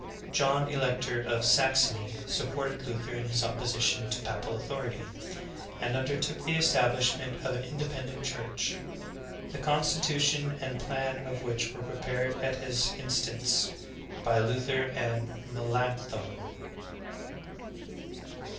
John, Elector of Saxony, supported Luther in his opposition to papal authority, and undertook the establishment of an independent church, the constitution and plan of which were prepared at his in stance by Luther and Melancthon.